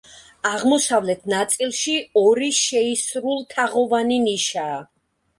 აღმოსავლეთ ნაწილში, ორი შეისრულთაღოვანი ნიშაა.